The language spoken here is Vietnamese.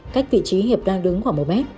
cách vị trí hiệp đang đứng khoảng một m